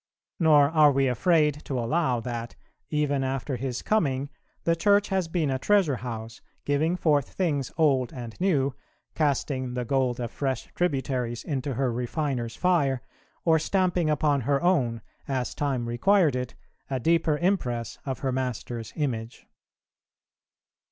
Nor are we afraid to allow, that, even after His coming, the Church has been a treasure house, giving forth things old and new, casting the gold of fresh tributaries into her refiner's fire, or stamping upon her own, as time required it, a deeper impress of her Master's image.